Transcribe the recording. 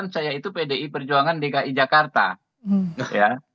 dua ribu sembilan saya itu pdi perjuangan dki jakarta ya